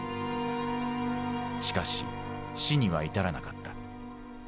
しかし死には至らなかった。